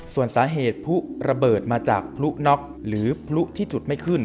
ส่วนสาเหตุพลุระเบิดมาจากพลุน็อกหรือพลุที่จุดไม่ขึ้น